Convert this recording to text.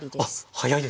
早いですね。